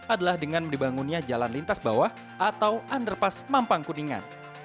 adalah dengan dibangunnya jalan lintas bawah atau underpas mampang kuningan